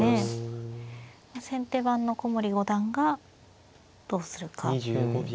先手番の古森五段がどうするか。